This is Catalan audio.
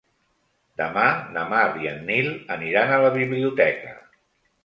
Demà na Mar i en Nil aniran a la biblioteca.